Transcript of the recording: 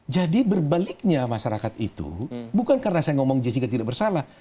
jadi berbaliknya masyarakat itu bukan karena saya ngomong jessica tidak bersalah